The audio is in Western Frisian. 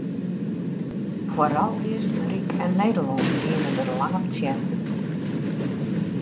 Foaral Eastenryk en Nederlân wiene der lang op tsjin.